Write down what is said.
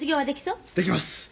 「できます」